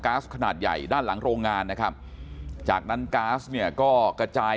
๊าซขนาดใหญ่ด้านหลังโรงงานนะครับจากนั้นก๊าซเนี่ยก็กระจาย